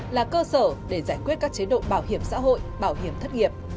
là cơ sở để giải quyết các chế độ bảo hiểm xã hội bảo hiểm thất nghiệp